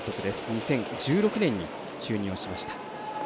２０１６年に就任をしました。